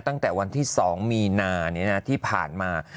ตั้งแต่วันที่๒มีนาที่ผ่านมา